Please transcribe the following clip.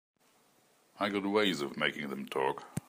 I got ways of making them talk.